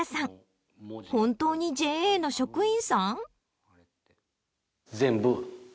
本当にＪＡの職員さん？